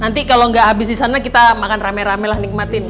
nanti kalau gak habis di sana kita makan rame ramelah nikmatin